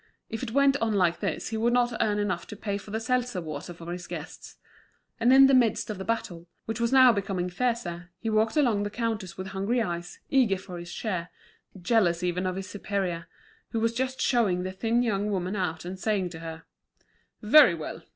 If it went on like this, he would not earn enough to pay for the seltzer water for his guests. And in the midst of the battle, which was now becoming fiercer, he walked along the counters with hungry eyes, eager for his share, jealous even of his superior, who was just showing the thin young woman out, and saying to her: "Very well!